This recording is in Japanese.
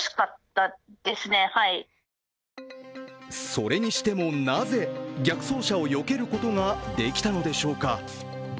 それにしても、なぜ逆走車をよけることができたのでしょうか。